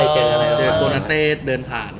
เจอกับโกนาเตสเดินผ่าน